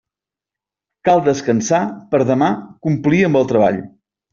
Cal descansar per a demà complir amb el treball.